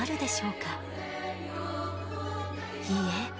いいえ。